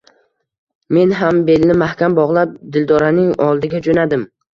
Men ham belni mahkam bogʻlab, Dildoraning oldiga joʻnadim.